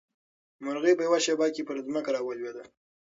مرغۍ په یوه شېبه کې پر ځمکه راولوېده.